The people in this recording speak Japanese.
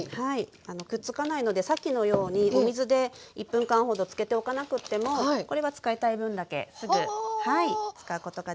くっつかないのでさっきのようにお水で１分間ほどつけておかなくってもこれは使いたい分だけすぐ使うことができます。